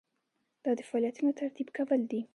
دا د فعالیتونو ترتیب کول دي.